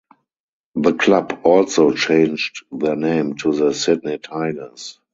The club also changed their name to the "Sydney Tigers".